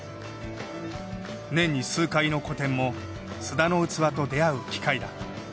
年に数回の個展も須田の器と出会う機会だ。